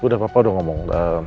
udah papa udah ngomong